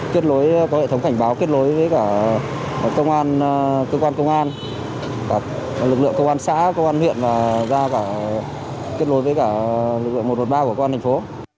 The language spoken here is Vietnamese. kết lối có hệ thống cảnh báo kết lối với cả công an cơ quan công an lực lượng công an xã công an huyện và ra kết lối với cả lực lượng một trăm một mươi ba của công an thành phố